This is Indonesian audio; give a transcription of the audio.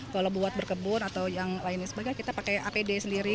kalau buat berkebun atau yang lain sebagainya kita pakai apd sendiri